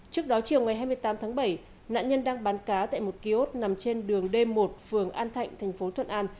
trước đó chiều ngày hai mươi tám tháng bảy nạn nhân đang bán cá tại một kiosk nằm trên đường d một phường an thạnh thành phố thuận an